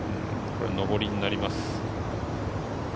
上りになります。